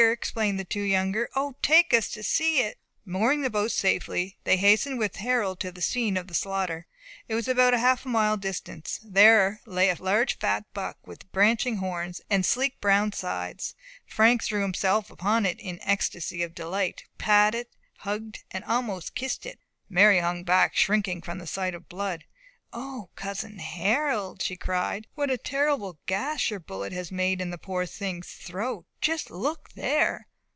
exclaimed the two younger. "O, take us to see it!" Mooring the boat safely, they hastened with Harold to the scene of slaughter. It was about half a mile distant. There lay a large fat buck, with branching horns, and sleek brown sides. Frank threw himself upon it in an ecstasy of delight; patted, hugged, and almost kissed it. Mary hung back, shrinking from the sight of blood. "O, cousin Harold," she cried, "what a terrible gash your bullet has made in the poor thing's throat! Just look there!"